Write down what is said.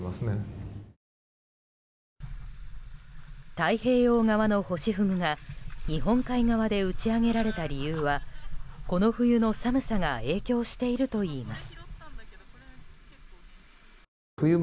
太平洋側のホシフグが日本海側で打ち揚げられた理由はこの冬の寒さが影響しているといいます。